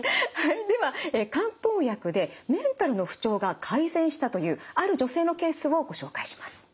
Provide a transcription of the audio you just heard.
では漢方薬でメンタルの不調が改善したというある女性のケースをご紹介します。